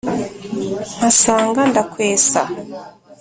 Mpasanga Ndakwesa.